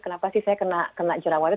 kenapa sih saya kena jerawat